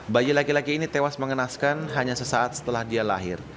bayi laki laki ini tewas mengenaskan hanya sesaat setelah dia lahir